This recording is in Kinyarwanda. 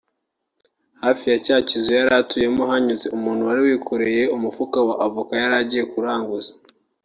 hafi ya cya kizu yari atuyemo hanyuze umuntu wari wikoreye umufuka wa Avoka yari agiye kuranguza